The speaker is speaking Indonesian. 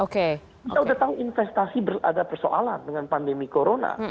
kita sudah tahu investasi ada persoalan dengan pandemi corona